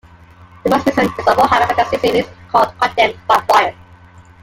The most recent is a Warhammer Fantasy series called "Condemned by Fire".